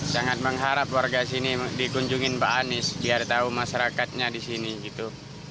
sangat mengharap warga sini dikunjungin pak anies biar tahu masyarakatnya di sini gitu